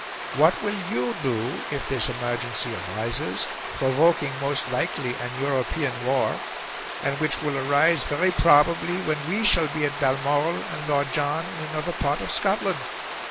What will you do, if this emergency arises (provoking most likely an European war), and which will arise very probably when we shall be at Balmoral and Lord John in another part of Scotland?